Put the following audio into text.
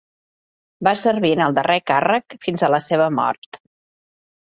Va servir en el darrer càrrec fins a la seva mort.